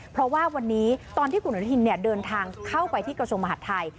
เพราะว่าวันนี้ตอนที่คุณอนุทินเดินทางเข้าไปที่กระทรวงมหาดไทย